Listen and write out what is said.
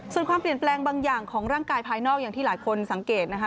ส่วนความเปลี่ยนแปลงบางอย่างของร่างกายภายนอกอย่างที่หลายคนสังเกตนะคะ